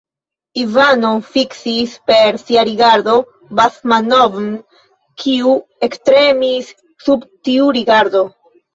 Ivano fiksis per sia rigardo Basmanov'n, kiu ektremis sub tiu rigardo.